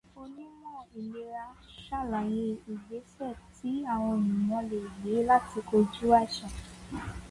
Onímọ̀ ìlera ṣàlàyé ìgbésẹ̀ tí àwọn ènìyàn lè gbé láti kojú àìsàn.